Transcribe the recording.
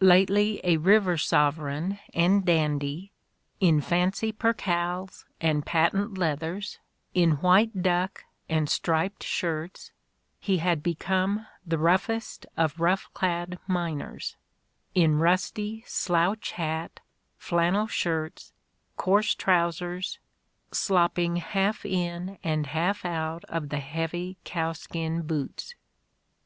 "Lately a river sovereign and dandy — in fancy percales and patent leathers — in white duck and striped shirts — ^he had become the roughest of rough clad miners, in rusty slouch hat, flannel shirts, coarse trousers, slopping half in and half out of the heavy cowskin boots."